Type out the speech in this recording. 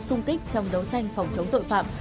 xung kích trong đấu tranh phòng chống tội phạm